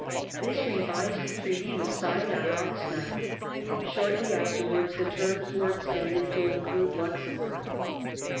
This revised treaty was signed on August 9th and, shortly afterwards, the terms were extended to include Luxemburg.